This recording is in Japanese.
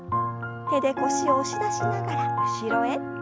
手で腰を押し出しながら後ろへ。